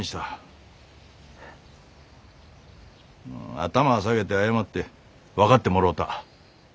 頭下げて謝って分かってもろうた。